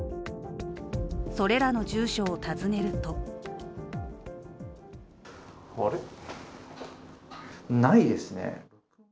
それらの住所を訪ねるとあれ、ないですね。